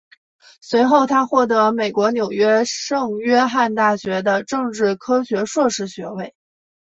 随后他获得美国纽约圣约翰大学的政治科学硕士学位。